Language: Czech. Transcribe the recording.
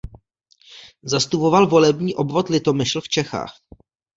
Zastupoval volební obvod Litomyšl v Čechách.